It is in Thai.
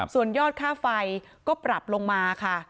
ส่วนยอดค่าไฟก็ปรับลงมาค่ะ